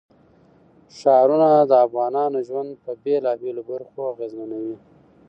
ښارونه د افغانانو ژوند په بېلابېلو برخو اغېزمنوي.